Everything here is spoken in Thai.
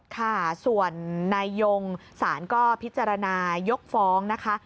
ค่ะส่วนนายยงสารก็พิจารณายกฟ้องนะคะ